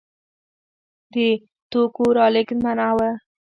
د توکو رالېږد منع و.